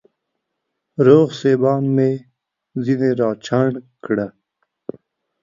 روغ سېبان مې ځيني راچڼ کړه